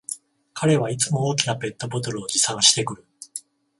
彼はいつも大きなペットボトルを持参してくる